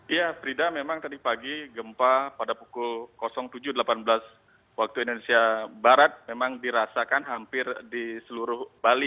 ya frida memang tadi pagi gempa pada pukul tujuh delapan belas waktu indonesia barat memang dirasakan hampir di seluruh bali